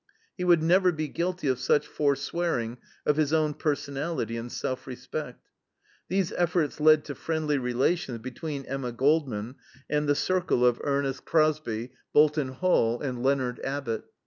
He would never be guilty of such forswearing of his own personality and self respect. These efforts led to friendly relations between Emma Goldman and the circle of Ernest Crosby, Bolton Hall, and Leonard Abbott.